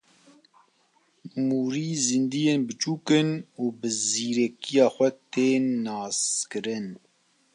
Mûrî zîndiyên biçûk in û bi zîrekiya xwe tên naskirin.